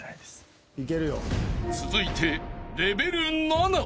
［続いて］